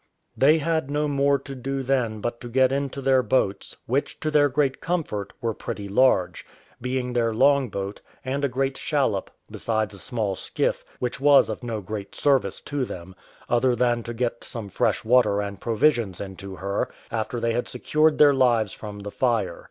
They had no more to do then but to get into their boats, which, to their great comfort, were pretty large; being their long boat, and a great shallop, besides a small skiff, which was of no great service to them, other than to get some fresh water and provisions into her, after they had secured their lives from the fire.